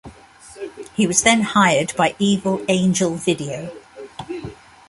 He was then hired by Evil Angel Video.